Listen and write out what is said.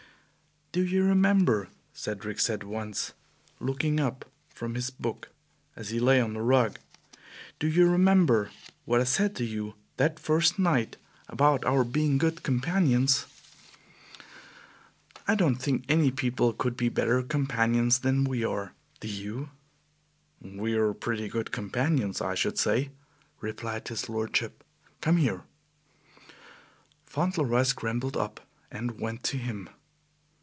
"Do you remember," Cedric said once, looking up from his book as he lay on the rug, "do you remember what I said to you that first night about our being good companions? I don't think any people could be better companions than we are, do you?" "We are pretty good companions, I should say," replied his lordship. "Come here." Fauntleroy scrambled up and went to him.